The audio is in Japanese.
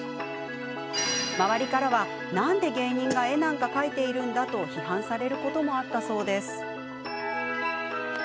周りからは、なんで芸人が絵なんか描いてるんだと批判されることもあったそうです。